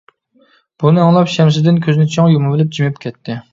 بۇنى ئاڭلاپ، شەمشىدىن كۆزىنى چىڭ يۇمۇۋېلىپ، جىمىپ كەتتى.